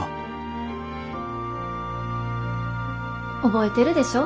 覚えてるでしょ？